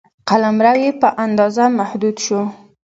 قلمرو یې په اندازه محدود شو.